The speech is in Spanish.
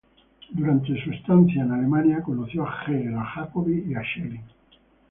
Durante una estancia en Alemania, conoció a Hegel, a Jacobi y a Schelling.